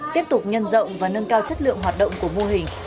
tiếp tục nhân rộng và nâng cao chất lượng hoạt động của mô hình